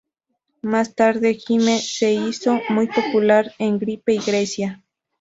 Más tarde, "Gimme" se hizo muy popular en Chipre y Grecia.